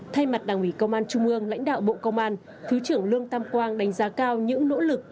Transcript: thay mặt đảng ủy công an trung ương lãnh đạo bộ công an thứ trưởng lương tam quang đánh giá cao những nỗ lực